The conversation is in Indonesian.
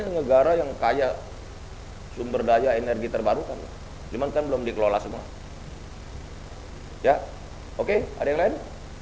negara yang kaya sumber daya energi terbarukan cuman kan belum dikelola semua ya oke ada yang lain